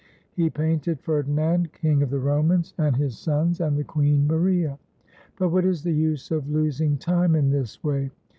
He painted Ferdinand, King of the Romans, and 107 ITALY his sons, and the Queen Maria. But what is the use of losing time in this way?